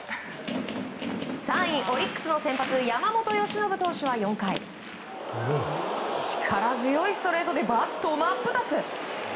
３位、オリックスの先発山本由伸投手は４回力強いストレートでバットを真っ二つ。